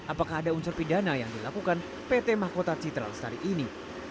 apakah ada unsur pidana yang dilakukan pt mahkota citra lestari ini